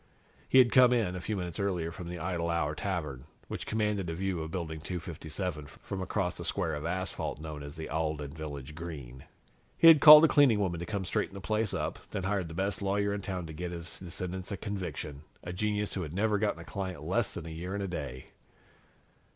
He had come in, a few minutes earlier, from the Idle Hour Tavern, which commanded a view of Building 257 from across the square of asphalt known as the Alden Village Green. He had called a cleaning woman to come straighten the place up, then had hired the best lawyer in town to get his descendants a conviction, a genius who had never gotten a client less than a year and a day.